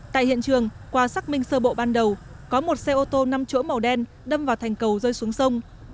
tại hiện trường qua xác minh sơ bộ ban đầu có một xe ô tô năm chỗ màu đen đâm vào thành cầu rơi xuống sông